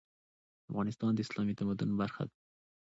افغانستان د اسلامي تمدن برخه ده.